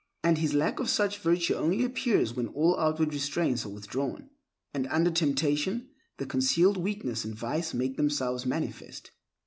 And his lack of such virtue only appears when all outward restraints are withdrawn, and, under temptation, the concealed weakness and vice make themselves manifest.